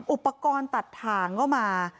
อุปกรณ์ตัดถ่างก็มา